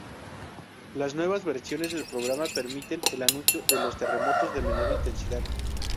Las nuevas versiones del programa permiten el anuncio de los terremotos de menor intensidad.